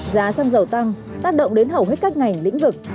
giá xăng dầu tăng tác động đến hầu hết các ngành lĩnh vực